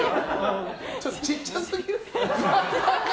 ちょっと、ちっちゃすぎる。